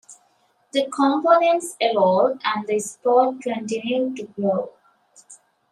The components evolved, and the sport continued to grow.